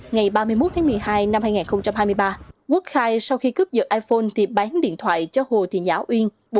ngày ba mươi một một mươi hai hai nghìn hai mươi ba quốc khai sau khi cướp dật iphone thì bán điện thoại cho hồ thị nhã uyên